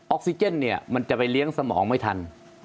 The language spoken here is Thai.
ออกซิเจนเนี่ยมันจะไปเลี้ยงสมองไม่ทัน